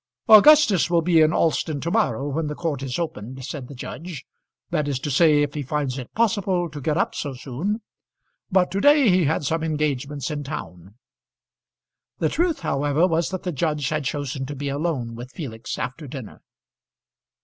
"Augustus will be in Alston to morrow when the court is opened," said the judge. "That is to say if he finds it possible to get up so soon; but to day he had some engagements in town." The truth however was that the judge had chosen to be alone with Felix after dinner.